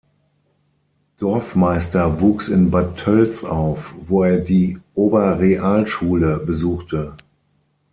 Dorfmeister wuchs in Bad Tölz auf, wo er die Oberrealschule besuchte.